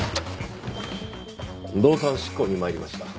動産執行に参りました。